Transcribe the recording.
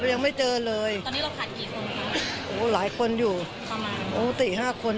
พูดสิทธิ์ข่าวธรรมดาทีวีรายงานสดจากโรงพยาบาลพระนครศรีอยุธยาครับ